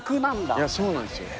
いやそうなんですよ。